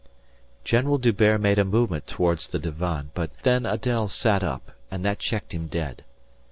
General D'Hubert made a movement towards the divan, but then Adèle sat up and that checked him dead.